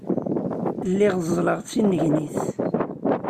Lliɣ ẓẓleɣ d tinnegnit.